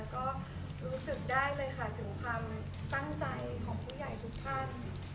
ก็รู้สึกได้เลยค่ะถึงความตั้งใจของผู้ใหญ่ทุกท่าน